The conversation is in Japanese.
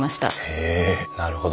へえなるほど。